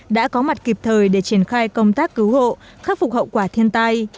đã có mặt kịp thời để triển khai công tác cứu hộ khắc phục hậu quả thiên tai